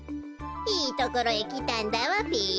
いいところへきたんだわべ。